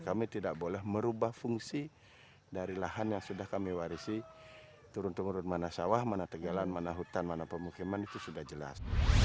kami tidak boleh merubah fungsi dari lahan yang sudah kami warisi turun turun mana sawah mana tegalan mana hutan mana pemukiman itu sudah jelas